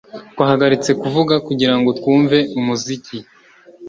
Twahagaritse kuvuga kugirango twumve umuziki